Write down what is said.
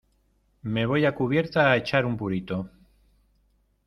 me voy a cubierta a echar un purito